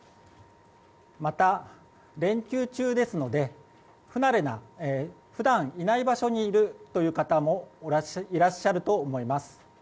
また連休中ですので普段いない場所にいるという方もいらっしゃると思います。